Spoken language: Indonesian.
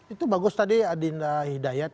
itu bagus tadi adinda hidayat